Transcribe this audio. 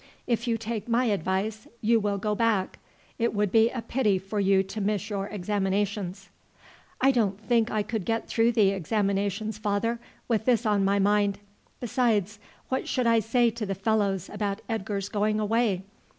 If you take my advice, you will go back; it would be a pity for you to miss your examinations." "I don't think I could get through the examinations, father, with this on my mind; besides, what should I say to the fellows about Edgar's going away?